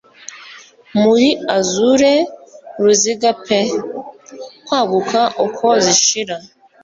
Muri azure ruziga pe kwaguka uko zishira